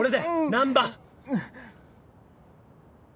難破！